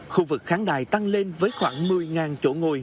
khu vực khán đài tăng lên với khoảng một mươi chỗ ngồi